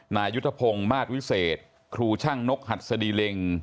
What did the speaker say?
นายุทธพงศ์มาสวิเศษครูช่างนกหัดสดีเล็ง